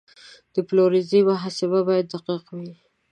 د پلورنځي محاسبه باید دقیقه وي.